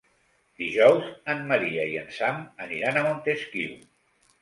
Dijous en Maria i en Sam aniran a Montesquiu.